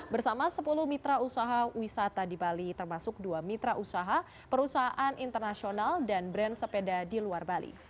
bersama sepuluh mitra usaha wisata di bali termasuk dua mitra usaha perusahaan internasional dan brand sepeda di luar bali